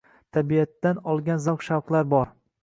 Tabiatdan olgan zavq-shavqlar bor.